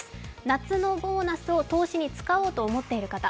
夏のボーナスを投資に使おうと思っている方。